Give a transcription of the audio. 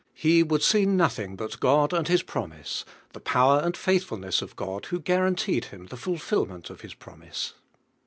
He would see nothing but God and Flis prom ise, the power and faithfulness of God wTio guaranteed him I lie fiillilinrnt of His promise.